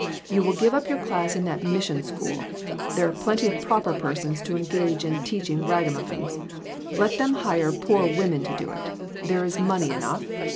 You will give up your class in that mission school. There are plenty of proper persons to engage in teaching ragamuffins. Let them hire poor women to do it ; there is money enough.